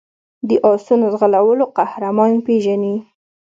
د آسونو ځغلولو قهرمان پېژني.